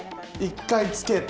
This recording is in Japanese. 一回つけて。